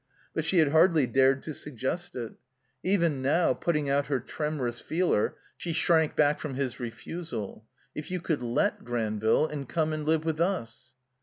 But she had hardly dared to suggest it. Even now, putting out her tremorous feeler, she shrank back from his refusal. *'If you could let Granville — and come and live with us."